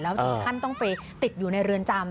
แล้วถึงขั้นต้องไปติดอยู่ในเรือนจำ